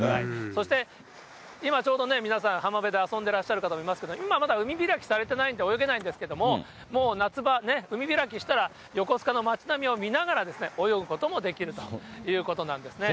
そして、今、ちょうどね、皆さん、浜辺で遊んでらっしゃる方もいますけれども、まだ海開きしていないので泳げないんですけども、もう夏場、ね、海開きしたら、横須賀の街並みを見ながらバーベキューできるということなんですね。